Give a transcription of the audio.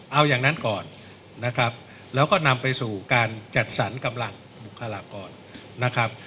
เอาอย่างนั้นก่อนนะครับแล้วก็นำไปสู่การจัดสรรกำลังบุคลากรนะครับ